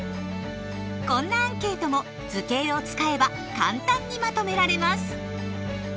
こんなアンケートも図形を使えば簡単にまとめられます。